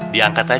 diangkat aja rom